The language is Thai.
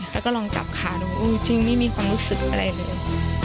แล้วก็ลองจับขาดูจริงไม่มีความรู้สึกอะไรเลย